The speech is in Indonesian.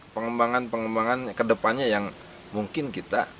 pengembangan pengembangan kedepannya yang mungkin kita